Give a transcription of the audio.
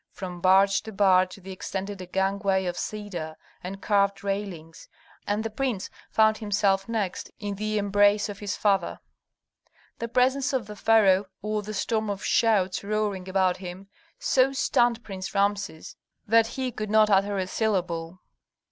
From barge to barge they extended a gangway of cedar with carved railings, and the prince found himself next in the embrace of his father. The presence of the pharaoh, or the storm of shouts roaring about him, so stunned Prince Rameses that he could not utter a syllable.